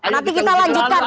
nanti kita lanjutkan